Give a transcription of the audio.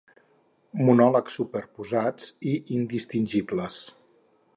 monòlegs superposats i indistingibles